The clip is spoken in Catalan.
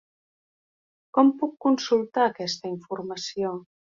Com puc consultar aquesta informació?